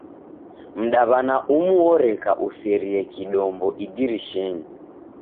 Mdaw'ana umu orekauserie kidombo idirishenyi.